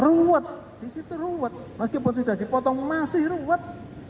ruwet di situ ruwet meskipun sudah dipotong masih ruwet